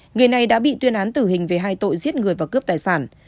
người này đã bị tuyên án tử hình về hai tội giết người và cướp tài sản